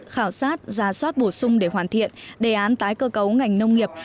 khảo sát ra soát bổ sung để hoàn thiện đề án tái cơ cấu ngành nông nghiệp